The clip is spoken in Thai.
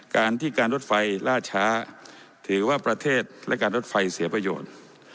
การที่การรถไฟล่าช้าถือว่าประเทศและการรถไฟเสียประโยชน์